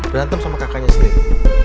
ganteng sama kakaknya sendiri